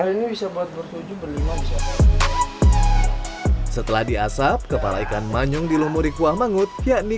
ini bisa buat bertujuh berlima bisa setelah diasap kepala ikan manyung dilumuri kuah mangut yakni